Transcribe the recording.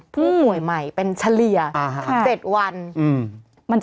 ผู้ป่วยใหม่เป็นเฉลี่ย๗วัน